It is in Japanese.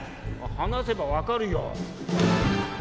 「はなせば分かるよ」。